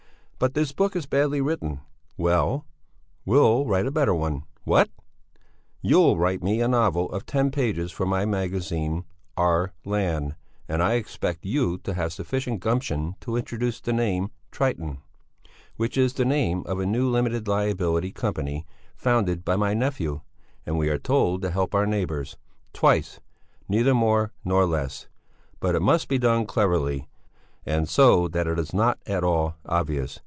But this book is badly written. Well! We'll write a better one. What? You'll write me a novel of ten pages for my magazine Our Land, and I expect you to have sufficient gumption to introduce the name Triton which is the name of a new limited liability company, founded by my nephew, and we are told to help our neighbours twice, neither more nor less; but it must be done cleverly and so that it is not at all obvious.